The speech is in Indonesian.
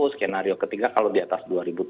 skenario ketiga kalau di atas dua tujuh ratus